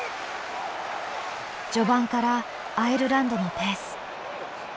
序盤からアイルランドのペース。